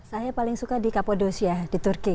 saya paling suka di kapodos ya di turki